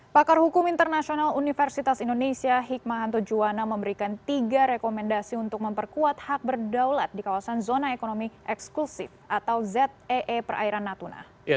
pakar hukum internasional universitas indonesia hikmahanto juwana memberikan tiga rekomendasi untuk memperkuat hak berdaulat di kawasan zona ekonomi eksklusif atau zee perairan natuna